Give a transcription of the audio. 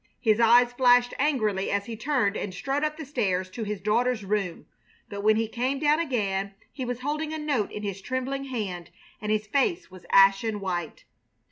His eyes flashed angrily as he turned and strode up the stairs to his daughter's room, but when he came down again he was holding a note in his trembling hand and his face was ashen white.